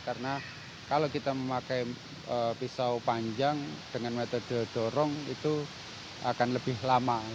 karena kalau kita memakai pisau panjang dengan metode dorong itu akan lebih lama